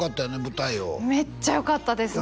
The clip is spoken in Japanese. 舞台をめっちゃよかったです